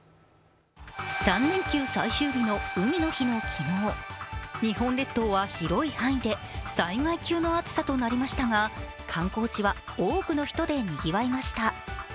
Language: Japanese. ３連休最終日の海の日の昨日、日本列島は広い範囲で災害級の暑さとなりましたが観光地は多くの人でにぎわいました。